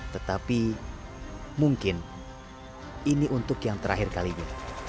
tetapi mungkin ini untuk yang terakhir kalinya